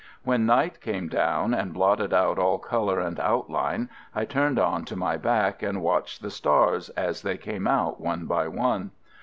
When night came down and blotted out all colour and outline, I turned on to my back and watched the stars as they came out one by one.